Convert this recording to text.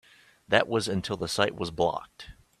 That was until the site was blocked.